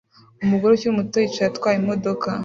Umugore ukiri muto yicaye atwaye imodoka